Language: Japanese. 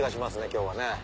今日はね。